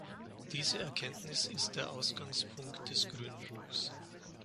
Diese Erkenntnis ist der Ausgangspunkt des Grünbuchs.